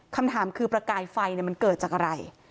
คำถามคือประกายไฟมันเกิดจากอะไร